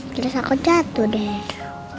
terus aku jatuh deh